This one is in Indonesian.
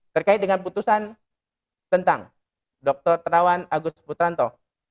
terkait dengan putusan tentang dr terawan agus putranto